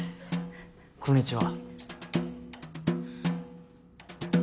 うんこんにちは